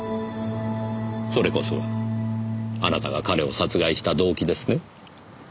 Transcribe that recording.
それこそがあなたが彼を殺害した動機ですね？